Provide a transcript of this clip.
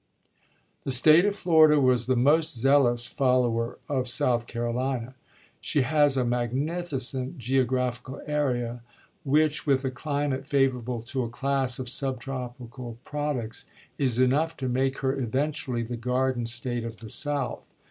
The State of Florida was the most zealous fol lower of South Carolina. She has a magnificent geographical area, which, with a climate favorable to a class of sub tropical products, is enough to make her eventually the garden State of the South.